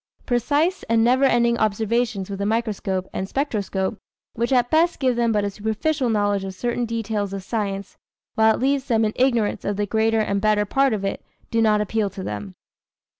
Precise and never ending observations with the microscope and spectroscope, which at best give them but a superficial knowledge of certain details of science, while it leaves them in ignorance of the greater and better part of it, do not appeal to them.